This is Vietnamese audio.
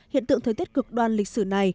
hiện tượng thời tiết cực đoan lịch sử này